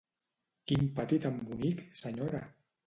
Quin pati tan bonic, senyora!